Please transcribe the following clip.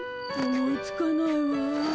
思いつかないわ。